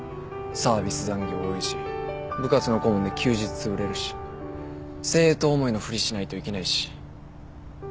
サービス残業多いし部活の顧問で休日つぶれるし生徒思いのふりしないといけないし。